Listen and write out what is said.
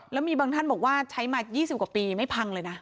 แล้วมีบางท่านบอกว่าใช้มา๒๐กว่าปีไม่พังเลยนะ